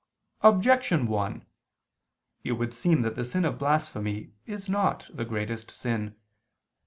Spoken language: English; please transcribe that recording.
Objection 1: It would seem that the sin of blasphemy is not the greatest sin.